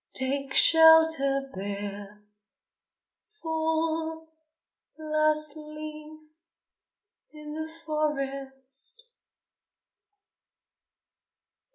Take shelter, bear! Fall, last leaf in the forest!